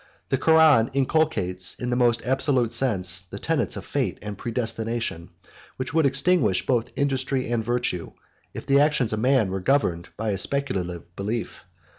The Koran inculcates, in the most absolute sense, the tenets of fate and predestination, which would extinguish both industry and virtue, if the actions of man were governed by his speculative belief.